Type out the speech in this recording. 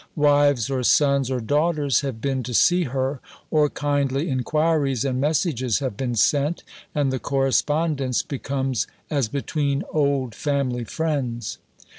Wives or sons or daughters have been to see her, or kindly inquiries and messages have been sent, and the correspondence becomes as between old family friends.